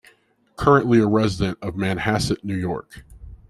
Currently a resident of Manhasset, New York.